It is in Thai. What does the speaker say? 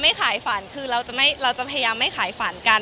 ไม่ขายฝันคือเราจะพยายามไม่ขายฝันกัน